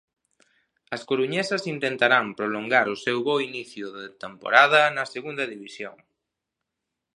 As coruñesas intentarán prolongar o seu bo inicio de temporada na Segunda División.